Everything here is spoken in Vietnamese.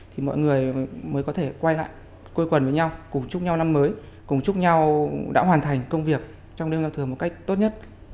thì mọi người mới có thể quay lại quây quần với nhau cùng chúc nhau năm mới cùng chúc nhau đã hoàn thành công việc trong đêm giao thừa một cách tốt nhất